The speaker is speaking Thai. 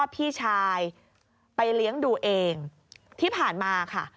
ที่ผ่านมาค่ะ